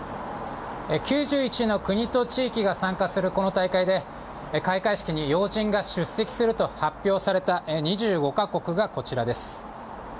９１の国と地域が参加するこの大会で、開会式に要人が出席すると発表された２５か国がこちらです。